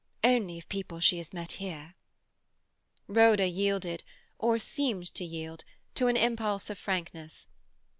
"Only of people she has met here." Rhoda yielded—or seemed to yield—to an impulse of frankness.